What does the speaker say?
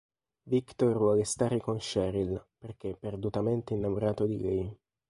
Victor vuole stare con Sheryl perché e perdutamente innamorato di lei.